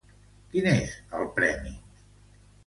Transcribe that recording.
Quin és el premi?